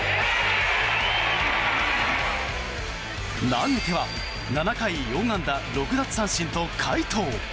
投げては７回４安打６奪三振と快投。